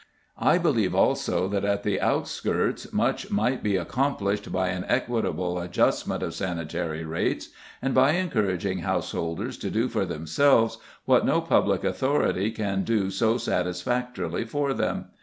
I believe also that at the outskirts much might be accomplished by an equitable adjustment of sanitary rates, and by encouraging householders to do for themselves what no public authority can do so satisfactorily for them.